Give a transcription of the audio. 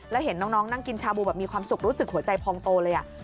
แล้วเห็นน้องนั่งกินชาบูแบบมีความสุขรู้สึกหัวใจพองโตเลย